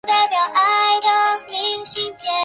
在非相对论性的热运动速度下。